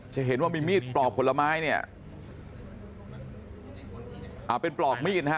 จะเห็นว่ามีมีดปลอกผลไม้เนี่ยอ่าเป็นปลอกมีดนะฮะ